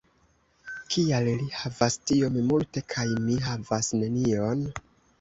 Kial li havas tiom multe kaj mi havas nenion?